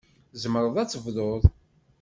Tzemreḍ ad tebduḍ.